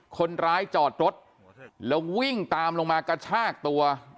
คนร้ายจอดรถแล้ววิ่งตามลงมากระชากตัว